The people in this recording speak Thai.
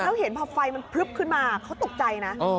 แล้วเห็นพอไฟมันพลึบขึ้นมาเขาตกใจนะ